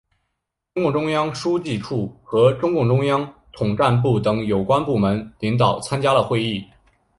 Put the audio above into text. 中共中央书记处和中共中央统战部等有关部门领导参加了会议。